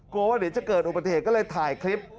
ว่าเดี๋ยวจะเกิดอุบัติเหตุก็เลยถ่ายคลิป